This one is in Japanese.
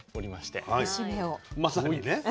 まさにね。